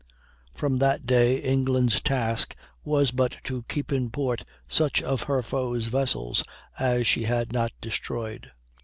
From that day England's task was but to keep in port such of her foes' vessels as she had not destroyed.